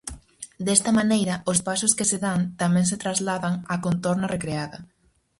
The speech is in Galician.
Desta maneira, os pasos que se dan tamén se trasladan á contorna recreada.